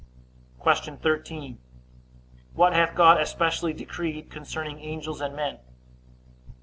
Q. 13. What hath God especially decreed concerning angels and men?